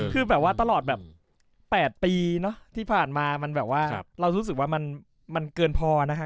คือแบบว่าตลอดแบบ๘ปีเนอะที่ผ่านมามันแบบว่าเรารู้สึกว่ามันเกินพอนะคะ